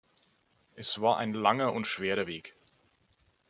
Es war ein langer und schwerer Weg.